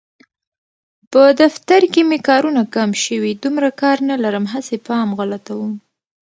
په دفتر کې مې کارونه کم شوي، دومره کار نه لرم هسې پام غلطوم.